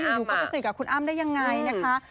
อยู่ก็ไปสนิทกับคุณอ้ำได้ยังไงนะคะ